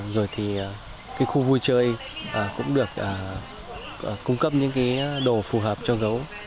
rồi thì khu vui chơi cũng được cung cấp những đồ phục hồi